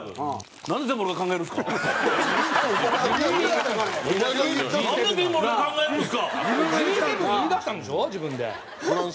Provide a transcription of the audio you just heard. なんで俺が全部考えるんですか！